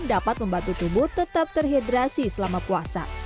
dapat membantu tubuh tetap terhidrasi selama puasa